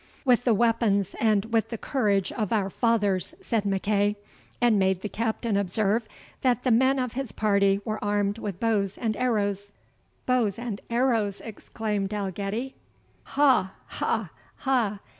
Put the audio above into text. "With the weapons and with the courage of our fathers," said MacEagh; and made the Captain observe, that the men of his party were armed with bows and arrows. "Bows and arrows!" exclaimed Dalgetty; "ha! ha! ha!